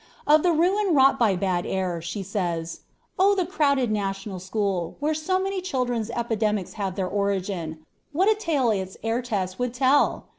Of the ruin wrought by bad air, she says: "Oh, the crowded national school, where so many children's epidemics have their origin, what a tale its air test would tell!